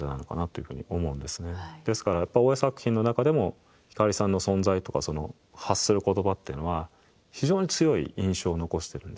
ですからやっぱ大江作品の中でも光さんの存在とか発する言葉っていうのは非常に強い印象を残してるんですね。